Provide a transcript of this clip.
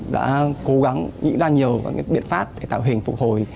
đã cố gắng nghĩ ra nhiều các biện pháp để tạo hình phục hồi